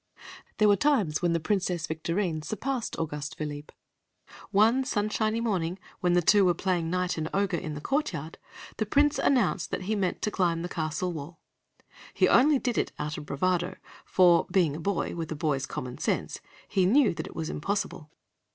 There were times when the Princess Victorine surpassed Auguste Philippe. One sunshiny morning, when the two were playing knight and ogre in the courtyard, the Prince announced that he meant to climb the castle wall. He did it only out of bravado, for, being a boy, with a boy's common sense, he knew that it was impossible.